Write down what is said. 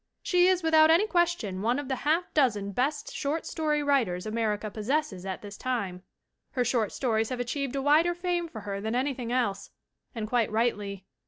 She is without any question one of the half dozen best short story writers America possesses at this time. Her short stories have achieved a wider fame for her than anything else, and quite rightly.